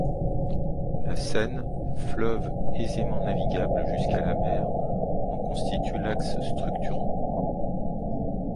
La Seine, fleuve aisément navigable jusqu'à la mer, en constitue l'axe structurant.